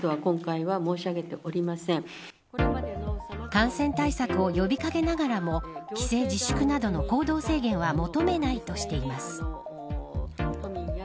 感染対策を呼び掛けながらも帰省自粛などの行動制限は求めないとしています。